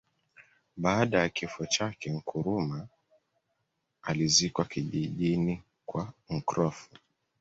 Baada ya kifo chake Nkrumah alizikwa kijijini kwao Nkrofu